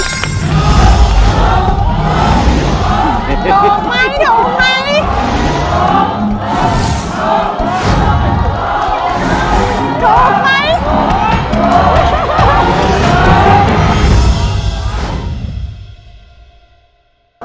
ถูกไหมถูกไหม